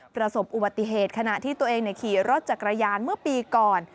ประสบอุบัติเหตุขณะที่ตัวเองขี่รถจักรยานเมื่อปีก่อน